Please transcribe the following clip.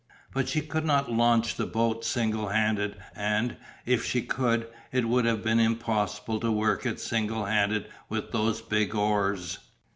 But she could not launch the boat single handed and, if she could, it would have been impossible to work it single handed with those big oars.